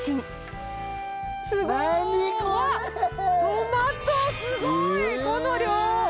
トマトすごいこの量！